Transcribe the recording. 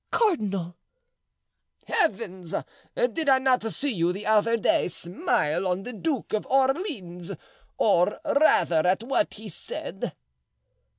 "Cardinal!" "Heavens! did I not see you the other day smile on the Duke of Orleans? or rather at what he said?"